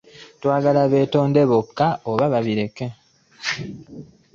Twagala beetonda bokka abo baleke.